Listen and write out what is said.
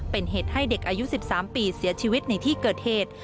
เป็นเหตุให้เด็กอายุ๑๓ปีเสียชีวิตในที่เกิดเหตุ